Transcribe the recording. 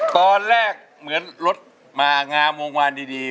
ตอนแรกเหมือนรถมางามวงวานดี